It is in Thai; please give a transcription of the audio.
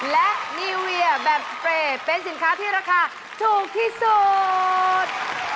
และนิวเวียแบบเปรย์เป็นสินค้าที่ราคาถูกที่สุด